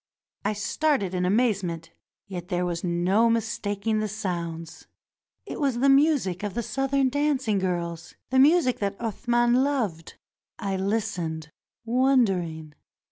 I started in amazement; yet there was no mistaking the sounds. It was the music of the Southern dancing girls — the music that Athman loved. I Hstened, wondering.